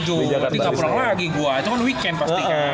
jadi nggak pulang lagi gue itu kan weekend pasti kan